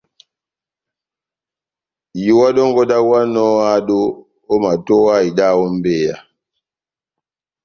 Iwa dɔngɔ dáháwanɔ ó ehádo, omatowa ida ó mbeyá.